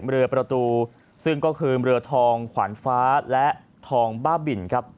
เรือประตูซึ่งก็คือเรือทองขวานฟ้าและทองบ้าบินครับ